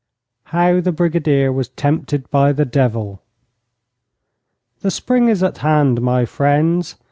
HOW THE BRIGADIER WAS TEMPTED BY THE DEVIL The spring is at hand, my friends.